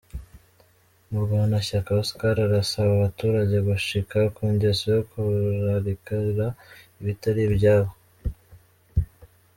Murwanashyaka Oscar arasaba abaturage gucika ku ngeso yo kurarikira ibitari ibyabo.